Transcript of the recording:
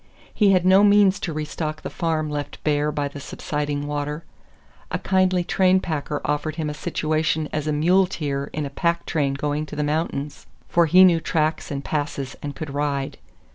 He had no means to restock the farm left bare by the subsiding water. A kindly train packer offered him a situation as muleteer in a pack train going to the mountains for he knew tracks and passes and could ride.